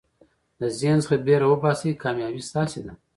د ذهن څخه بېره وباسئ، کامیابي ستاسي ده.